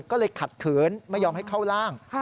ก็เลยขัดขืนไม่ยอมให้เข้าร่าง